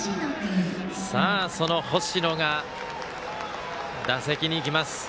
その星野が打席に行きます。